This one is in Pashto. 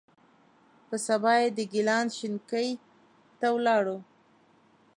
په سبا یې د ګیلان شینکۍ ته ولاړو.